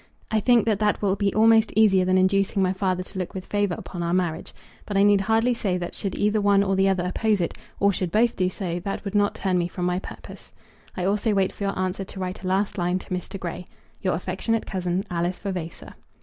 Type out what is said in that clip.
I think that that will be almost easier than inducing my father to look with favour upon our marriage. But I need hardly say that should either one or the other oppose it, or should both do so, that would not turn me from my purpose. I also wait for your answer to write a last line to Mr. Grey. Your affectionate cousin, ALICE VAVASOR.